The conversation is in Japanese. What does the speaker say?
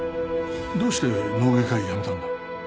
どうして脳外科医辞めたんだ？